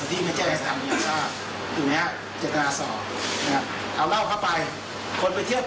สองจิตราหลบเลี่ยงเข้าไปที่ที่ไม่ได้ทำอย่างทราบ